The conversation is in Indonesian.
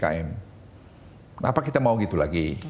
kenapa kita mau gitu lagi